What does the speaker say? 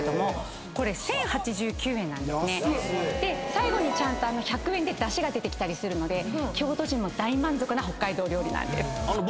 最後にちゃんと１００円で出汁が出てきたりするので京都人も大満足な北海道料理なんです。